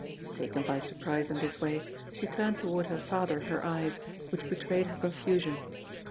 Taken by surprise in this way, she turned toward her father her eyes, which betrayed her confusion.